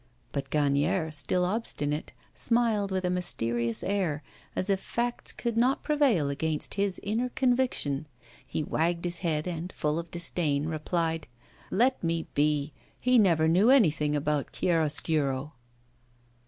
But Gagnière, still obstinate, smiled with a mysterious air, as if facts could not prevail against his inner conviction. He wagged his head and, full of disdain, replied: 'Let me be! He never knew anything about chiaroscuro.